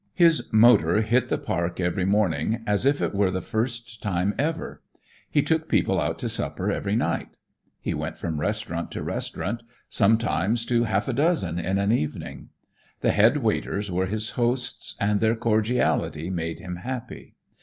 His motor hit the Park every morning as if it were the first time ever. He took people out to supper every night. He went from restaurant to restaurant, sometimes to half a dozen in an evening. The head waiters were his hosts and their cordiality made him happy.